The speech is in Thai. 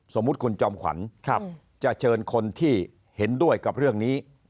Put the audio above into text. สมมุติคุณจอมขวัญจะเชิญคนที่เห็นด้วยกับเรื่องนี้